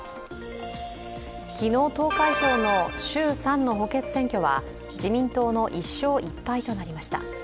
昨日、投開票の衆参の補欠選挙は自民党の１勝１敗となりました。